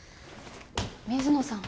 水野さん。